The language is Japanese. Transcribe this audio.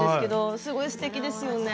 うんすごいすてきです。